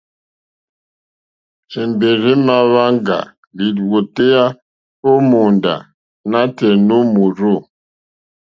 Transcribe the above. Èmbèrzà èmà wáŋgá lìwòtéyá ó mòóndá nǎtɛ̀ɛ̀ nǒ mòrzô.